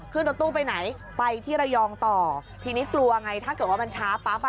ขึ้นรถตู้ไปไหนไปที่ระยองต่อทีนี้กลัวไงถ้าเกิดว่ามันช้าปั๊บอ่ะ